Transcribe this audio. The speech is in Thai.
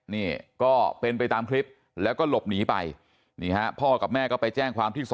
นี่ก็เป็นไปตามคลิปแล้วก็หลบหนีไปนี่ฮะพ่อกับแม่ก็ไปแจ้งความที่